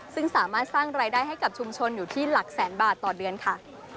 ซึ่งสามารถสร้างรายได้ให้กับชุมชนอยู่ที่หลักแสนบาทต่อเดือนค่ะ